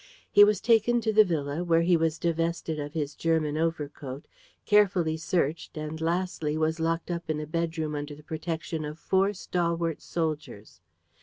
He was taken to the villa, where he was divested of his German overcoat, carefully searched and lastly was locked up in a bedroom under the protection of four stalwart soldiers.